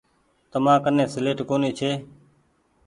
تمآ ڪني سيليٽ ڪونيٚ ڇي۔